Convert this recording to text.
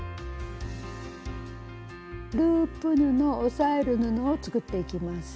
ループ布押さえる布を作っていきます。